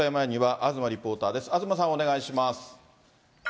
東さん、お願いします。